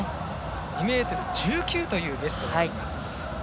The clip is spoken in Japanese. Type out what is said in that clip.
２ｍ１９というベストがあります。